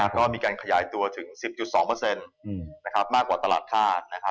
ก็มีการขยายตัวถึง๑๐๒มากกว่าตลาดธาตุ